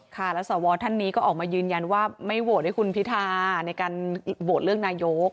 ค่ะแล้วสวท่านนี้ก็ออกมายืนยันว่าไม่โหวตให้คุณพิธาในการโหวตเลือกนายก